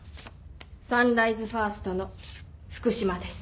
サンライズファーストの福島です。